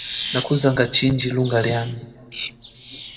Nakuzanga chindji lunga liami.